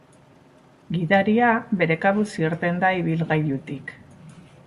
Gidaria bere kabuz irten da ibilgailutik.